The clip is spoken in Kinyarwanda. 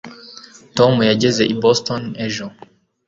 tom yageze i boston ejo